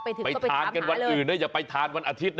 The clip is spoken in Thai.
ไปถึงก็ไปหาคาเลยไปทานกันวันอื่นนะอย่าไปทานวันอาทิตย์นะ